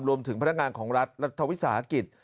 พนักงานของรัฐรัฐวิสาหกิจ